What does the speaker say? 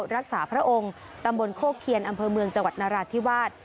รักษาพระองค์ตำบลโคเคียนอำเภอเมืองจังหวัดนราธิวาส